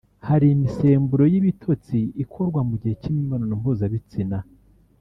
Hari imisemburo y’ibitotsi ikorwa mu gihe cy’imibonano mpuzabitsina